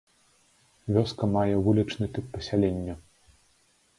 Вёска мае вулічны тып пасялення.